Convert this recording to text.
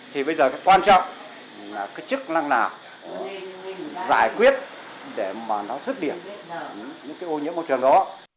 thì bây giờ quan trọng là cái chức năng nào giải quyết để mà nó dứt điểm những cái ô nhiễm môi trường đó